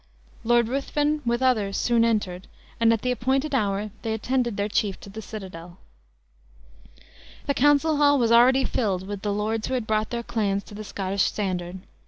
Lord Ruthven with others soon entered; and at the appointed hour they attended their chief to the citadel. The council hall was already filled with the lords who had brought their clans to the Scottish standard.